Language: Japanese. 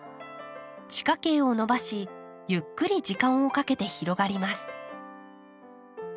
地下茎を伸ばしゆっくり時間をかけて広がります。